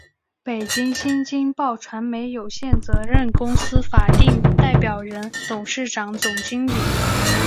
北京新京报传媒有限责任公司法定代表人、董事长、总经理